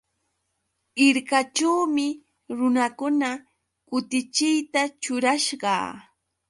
Hirkaćhuumi runakuna kutichiyta ćhurasqa.